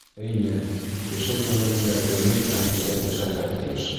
Эйе, кеше күңелендә өмөт һәм теләк йәшәргә тейеш.